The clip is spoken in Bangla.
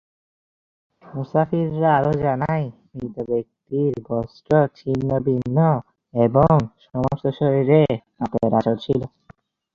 মুসাফিররা আরো জানায়, মৃতব্যক্তির বস্ত্র ছিন্ন-ভিন্ন এবং সমস্ত শরীরে নখের আঁচর ছিল।